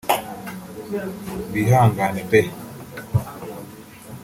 bihangane pe